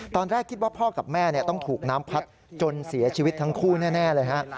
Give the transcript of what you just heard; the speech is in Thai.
ตอนแรกคิดว่าพ่อกับแม่ต้องถูกน้ำพัดจนเสียชีวิตทั้งคู่แน่เลยฮะ